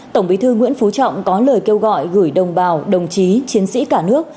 tổng bí thư nguyễn phú trọng có lời kêu gọi gửi đồng bào đồng chí chiến sĩ cả nước